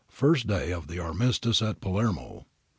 [First day of the armistice at Palermo.